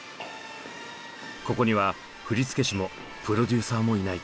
ここには振り付け師もプロデューサーもいない。